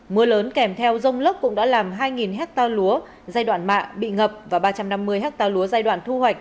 mưa lớn kèm theo rông lốc cũng đã làm hai ha lúa giai đoạn mạ bị ngập và ba trăm năm mươi ha lúa giai đoạn thu hoạch